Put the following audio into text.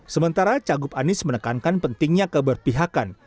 sementara cagup anies menekankan pentingnya keberpihakan